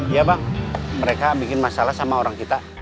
ya bang mereka bikin masalah sama orang kita